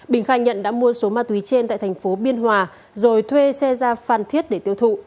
bình khai nhận đã mua số ma túy trên tại thành phố biên hòa rồi thuê xe ra phan thiết để tiêu thụ